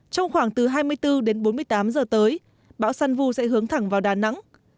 trong khoảng từ hai mươi bốn đến bốn mươi tám giờ tới bão san vu sẽ hướng thẳng vào đà nẵng